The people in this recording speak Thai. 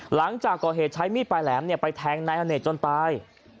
หลังจากก่อเหตุใช้มีดปลายแหลมไปแทงนายอเนกจนตาย